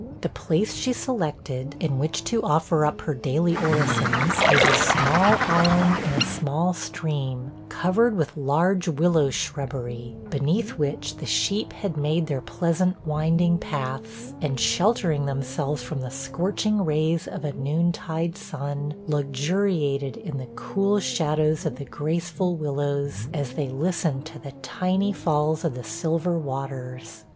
The place she selected, in which to offer up her daily orisons, was a small island in a small stream, covered with large willow shrubbery, beneath which the sheep had made their pleasant winding paths; and sheltering themselves from the scorching rays of a noon tide sun, luxuriated in the cool shadows of the graceful willows, as they listened to the tiny falls of the silver waters.